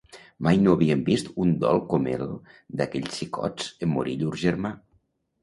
Mai no havíem vist un dol com el d'aquells xicots en morir llur germà.